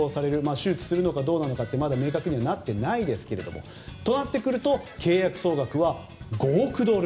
手術するかどうかは明確になっていないですけどもとなってくると契約総額は５億ドル